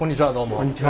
こんにちは。